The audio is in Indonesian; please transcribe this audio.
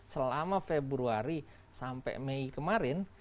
selama februari sampai mei kemarin